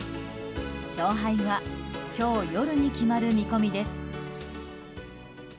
勝敗は今日夜に決まる見込みです。